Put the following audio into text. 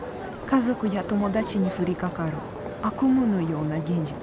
家族や友達に降りかかる悪夢のような現実。